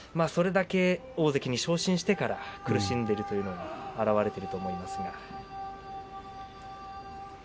それだけ大関に昇進してから苦しんでいるというのが表れていると思います。